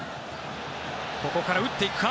ここから打っていくか。